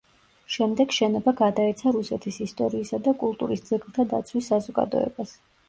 შემდეგ შენობა გადაეცა რუსეთის ისტორიისა და კულტურის ძეგლთა დაცვის საზოგადოებას.